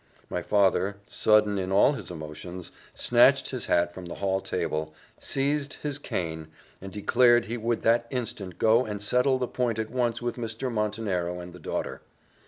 My father, sudden in all his emotions, snatched his hat from the hall table, seized his cane, and declared he would that instant go and settle the point at once with Mr. Montenero and the daughter.